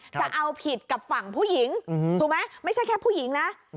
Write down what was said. จะเอาผิดกับฝั่งผู้หญิงถูกไหมไม่ใช่แค่ผู้หญิงนะ